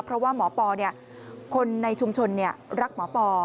เพราะว่าหมอปอคนในชุมชนรักหมอปอ